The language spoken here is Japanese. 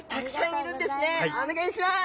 お願いします。